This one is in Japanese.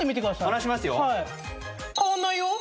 離しますよ